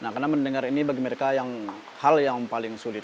karena mendengar ini bagi mereka hal yang paling sulit